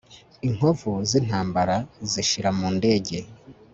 Inkovu zintambara zishira mu ndege